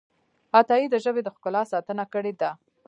عطايي د ژبې د ښکلا ساتنه کړې ده.